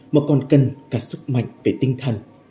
mà còn cần cả sức mạnh về tinh thần